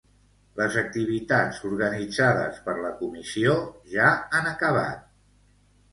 Les activitats organitzades per la comissió ja han acabat.